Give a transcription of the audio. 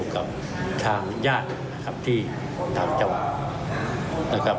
อยู่กับทางญาติที่ตามจำ